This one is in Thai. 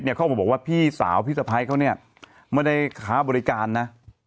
เขาบอกว่าพี่สาวพี่สะพายเขาไม่ได้ขาบริการนะ